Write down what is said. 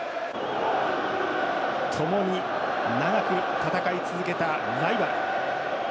ともに長く戦い続けたライバル。